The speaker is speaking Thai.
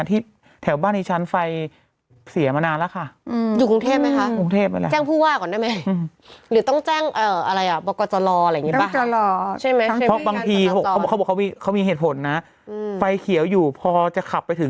เป็นฝ่าไฟแดงถ้างั้นโดนปรับเลยค่ะ๑๐๐๐บาท